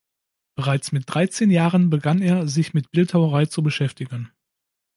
Bereits mit dreizehn Jahren begann er, sich mit Bildhauerei zu beschäftigen.